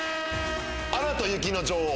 『アナと雪の女王』。